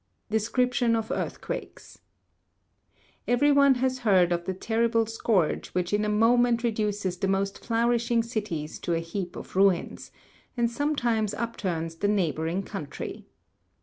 2. Description of Earthquakes. Every one has heard of the terrible scourge which in a moment reduces the most flourishing cities to a heap of ruins, and sometimes upturns the neighbouring country.